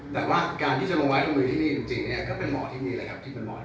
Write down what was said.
แต่การที่จะลงมือจะเป็นเหมาะที่มีเลยครับ